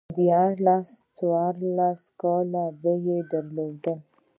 ديارلس، څوارلس کاله به يې درلودل